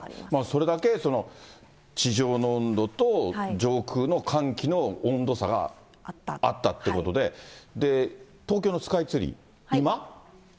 それだけ、地上の温度と、上空の寒気の温度差があったということで、東京のスカイツリー、今？